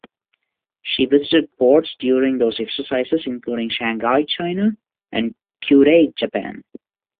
She visited ports during those exercises including Shanghai, China, and Kure, Japan.